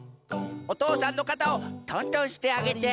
おとうさんのかたをとんとんしてあげて。